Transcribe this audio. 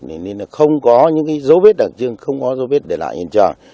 nên là không có những dấu vết đặc trưng không có dấu vết để lại hiện trường